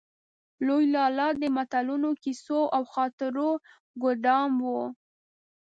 لوی لالا د متلونو، کيسو او خاطرو ګودام و.